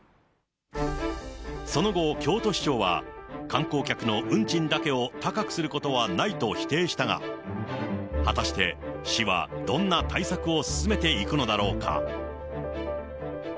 その後、京都市長は、観光客の運賃だけを高くすることはないと否定したが、果たして、市はどんな対策を進めていくのだろうか。